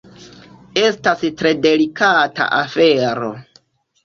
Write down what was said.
Estas tre delikata afero.